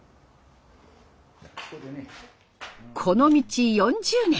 この道４０年。